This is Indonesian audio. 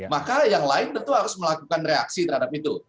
maka yang lain tentu harus melakukan reaksi terhadap itu